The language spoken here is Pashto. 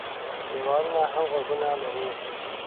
دېوالونو هم غوږونه لري.